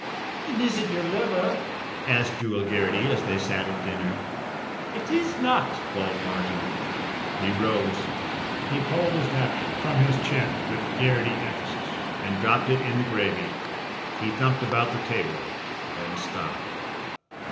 "And is it your liver?" asked Jewel Garrity as they sat at dinner. "It is not!" bawled Martin. He rose. He pulled his napkin from his chin with Garrity emphasis and dropped it in the gravy. He thumped about the table, then stopped.